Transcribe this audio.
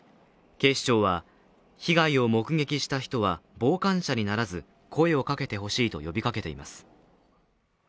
警視庁は、被害を目撃した人は傍観者にならず声をかけてほしいと呼びかけています。